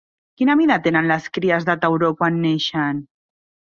Quina mida tenen les cries de tauró quan neixen?